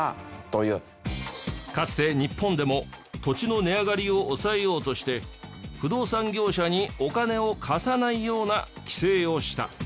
かつて日本でも土地の値上がりを抑えようとして不動産業者にお金を貸さないような規制をした。